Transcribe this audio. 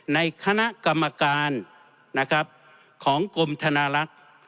ในคณะกรรมการของกลมธนาลักษณ์